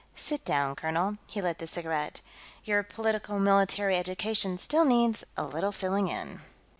Sit down, colonel." He lit the cigarette. "Your politico military education still needs a little filling in.